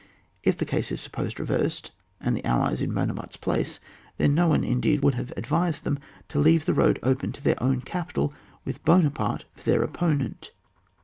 If the case is supposed reversed, and the allies in Buonaparte's place, then no one, indeed, would have advised them to leave the road open to their own capital with Buonaparte for their oppo nent.